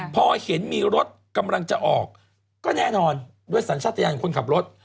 พอเห็นมีรถกำลังจะออกก็แน่นอนด้วยสัญชาติยานของคนขับรถ